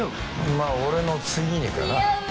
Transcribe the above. まあ俺の次にかな似合う！